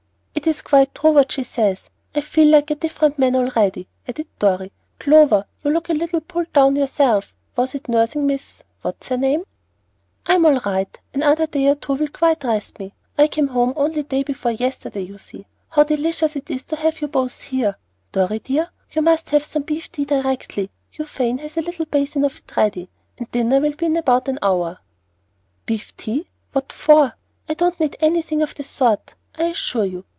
"It is quite true, what she says. I feel like a different man already," added Dorry. "Clover, you look a little pulled down yourself. Was it nursing Miss What's her name?" "I'm all right. Another day or two will quite rest me. I came home only day before yesterday, you see. How delicious it is to have you both here! Dorry dear, you must have some beef tea directly, Euphane has a little basin of it ready, and dinner will be in about an hour." "Beef tea! What for? I don't need anything of the sort, I assure you.